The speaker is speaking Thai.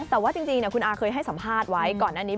แต่ว่าจริงคุณอาเคยให้สัมภาษณ์ไว้ก่อนหน้านี้